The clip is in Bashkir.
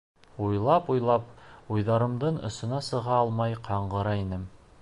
Уйлап-уйлап, уйҙарымдың осона сыға алмай ҡаңғыра инем.